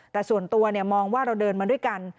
แต่ส่วนตัวมองว่าเราเดินมาด้วยกัน